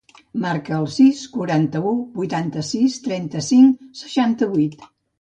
Marca el sis, quaranta-u, vuitanta-sis, trenta-cinc, seixanta-vuit.